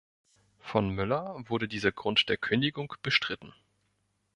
Von Müller wurde dieser Grund der Kündigung bestritten.